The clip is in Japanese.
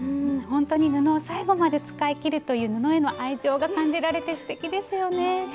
本当に布を最後まで使い切るという布への愛情が感じられてすてきですよね。